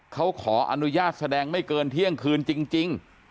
เขาขออนุญาตแสดงไม่เกินเที่ยงคืนจริง